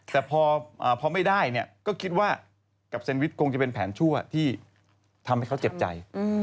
แต่พอไม่ได้เนี่ยก็คิดว่ากับเซนวิชคงจะเป็นแผนชั่วที่ทำให้เขาเจ็บใจ